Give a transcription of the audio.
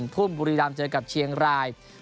ทุ่มบุรีรำเจอกับเชียงราย